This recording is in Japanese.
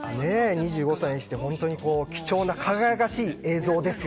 ２５歳にして、貴重な輝かしい映像ですよ